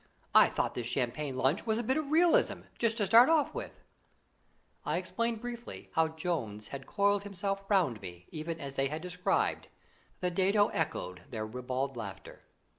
I thought this champagne lunch was a bit of realism, just to start off with." I explained briefly how Jones had coiled himself around me, even as they had described. The dado echoed their ribald laughter.